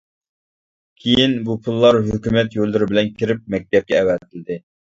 كىيىن، بۇ پۇللار ھۆكۈمەت يوللىرى بىلەن كىرىپ مەكتەپكە ئەۋەتىلدى.